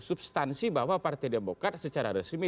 substansi bahwa partai demokrat secara resmi